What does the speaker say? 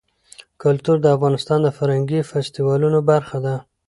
کلتور د افغانستان د فرهنګي فستیوالونو برخه ده.